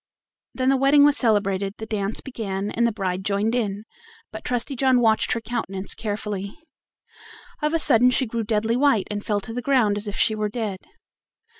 Then the wedding was celebrated, the dance began, and the bride joined in, but Trusty John watched her countenance carefully. Of a sudden she grew deadly white, and fell to the ground as if she were dead.